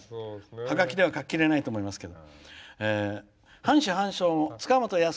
はがきでは書ききれないと思いますけど。